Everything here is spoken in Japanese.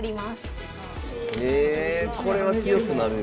ええこれは強くなるよ。